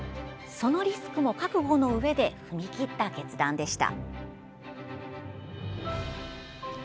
そのリスクも覚悟のうえで踏み切った決断でした。